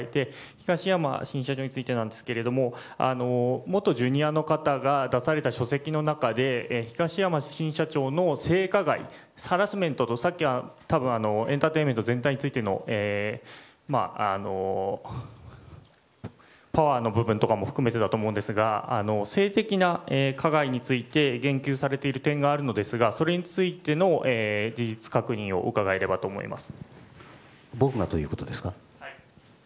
東山新社長についてなんですが元Ｊｒ．の方が出された書籍の中で東山新社長の性加害ハラスメントと、さっきエンターテインメント全体についてのパワーの部分も含めてだと思うんですが性的な加害について言及されている点があるのですがそれについての事実確認を伺えればと思います。